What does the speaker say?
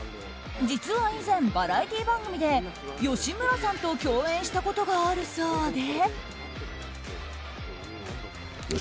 実は以前、バラエティー番組で吉村さんと共演したことがあるそうで。